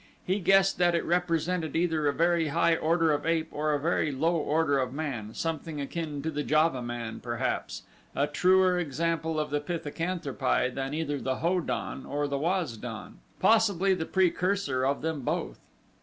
He guessed that it represented either a very high order of ape or a very low order of man something akin to the Java man, perhaps; a truer example of the pithecanthropi than either the Ho don or the Waz don; possibly the precursor of them both.